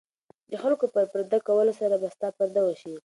د خلکو په پرده کولو سره به ستا پرده وشي.